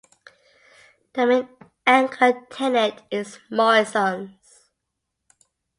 The main anchor tenant is Morrisons.